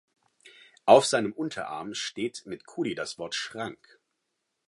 Auf seinem Unterarm steht mit Kuli das Wort „Schrank“.